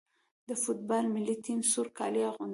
د فوټبال ملي ټیم سور کالي اغوندي.